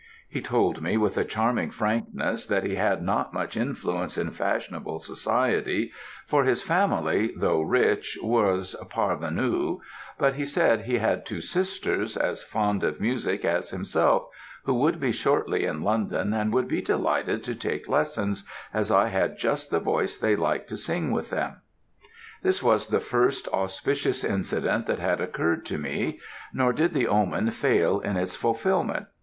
He told me with a charming frankness, that he had not much influence in fashionable society, for his family, though rich, was parvenue, but he said he had two sisters, as fond of music as himself, who would be shortly in London, and would be delighted to take lessons, as I had just the voice they liked to sing with them. "This was the first auspicious incident that had occurred to me, nor did the omen fail in its fulfilment.